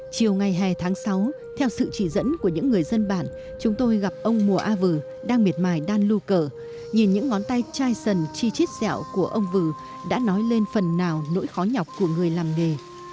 chiều ngày hè tháng sáu theo sự chỉ dẫn của những người dân bản chúng tôi gặp ông mùa a vừ đang miệt mài đan lu cở nhìn những ngón tay chai sần chi chít dẻo của ông vừ đã nói lên phần nào nỗi khó nhọc của người làm đề